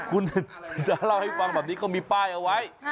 คุณจะเล่าให้ฟังแบบนี้ก็มีป้ายเอาไว้